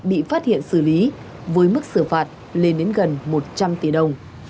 bị phát hiện xử lý với mức xử phạt lên đến gần một trăm linh tỷ đồng